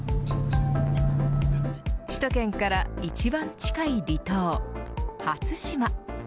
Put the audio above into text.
首都圏から一番近い離島、初島。